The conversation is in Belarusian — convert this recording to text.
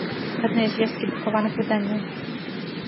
Выхадныя звесткi друкаваных выданняў